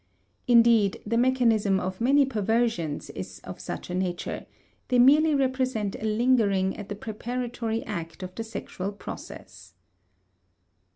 Indeed, the mechanism of many perversions is of such a nature; they merely represent a lingering at a preparatory act of the sexual process.